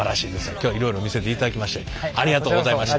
今日はいろいろ見せていただきましてありがとうございました。